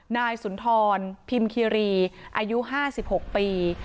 นายสุนทรพิมคิรีอายุ๕๖ปี